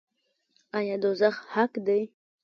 آیا دوزخ حق دی؟